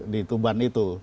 di tuban itu